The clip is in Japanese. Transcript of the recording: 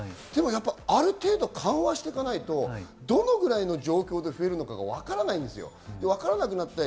ある程度緩和していかないと、どのくらいの状況で増えるのかがわからないんです。